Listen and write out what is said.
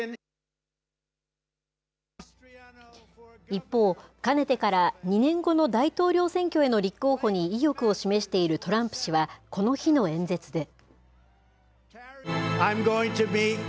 一方、かねてから、２年後の大統領選挙への立候補に意欲を示しているトランプ氏は、この日の演説で。